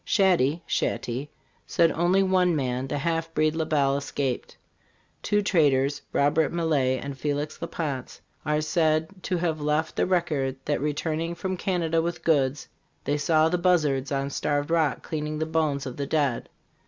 Shad dy (Shaty) said only one man, the half breed La Bell, escaped. Two traders, Robert Maillet and Felix La Pance, are said to have left the record that, re turning from Canada with goods, they saw the buzzards on Starved Rock cleaning the bones of the dead.